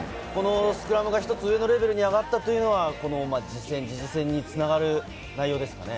スクラムが１つ上のレベルに上がったというのは、次の試合に繋がる対応ですかね。